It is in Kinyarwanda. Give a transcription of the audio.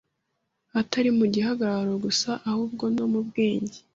atari mu gihagararo gusa ahubwo no mu bwenge,